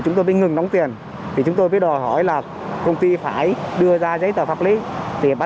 chúng tôi đừng đóng tiền thì chúng tôi biết đòi hỏi là công ty phải đưa ra giấy tờ pháp lý thì bắt